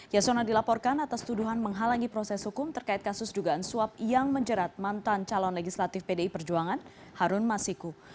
yasona dilaporkan atas tuduhan menghalangi proses hukum terkait kasus dugaan suap yang menjerat mantan calon legislatif pdi perjuangan harun masiku